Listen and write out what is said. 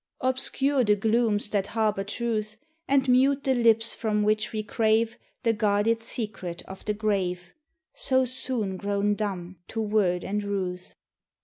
Obscure the glooms that harbor Truth, And mute the lips from which we crave The guarded secret of the grave So soon grown dumb to word and ruth!